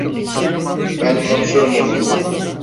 Ben konuşurum onunla.